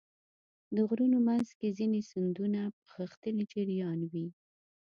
د غرونو منځ کې ځینې سیندونه په غښتلي جریان وي.